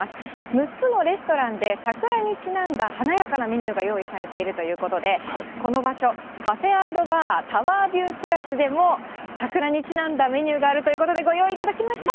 ６つのレストランで桜にちなんだ華やかなメニューが用意されているということで、この場所、カフェ＆バータワービューテラスでも、桜にちなんだメニューがあるということで、ご用意いただきました。